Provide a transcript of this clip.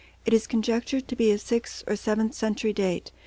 It is conjectured to be of sixth or seventh century date.